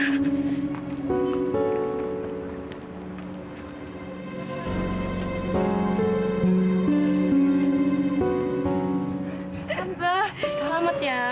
tante selamat ya